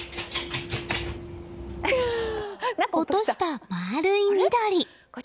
落とした、丸い緑。